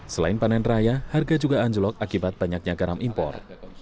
selain panen raya harga juga anjlok akibat banyaknya garam impor